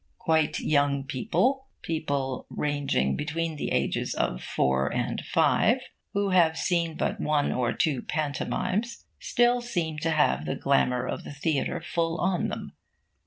Quite young people, people ranging between the ages of four and five, who have seen but one or two pantomimes, still seem to have the glamour of the theatre full on them.